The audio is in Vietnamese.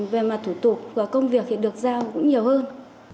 về mặt thủ tục công việc thì được giao cũng nhiều hơn